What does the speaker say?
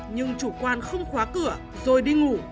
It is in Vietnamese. nhưng chủ quan không khóa cửa rồi đi ngủ